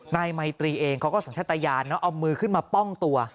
นายไมตรีเองเขาก็สัญชาตยานเอามือขึ้นมาป้องตัว